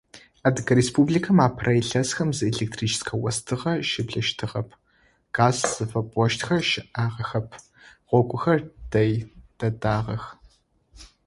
Адыгэ Республикэм апэрэ илъэсхэм зы электрическэ остыгъэ щыблэщтыгъэп, газ зыфэпӏощтхэр щыӏагъэхэп, гъогухэр дэй дэдагъэх.